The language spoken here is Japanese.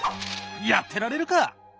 やってられるか！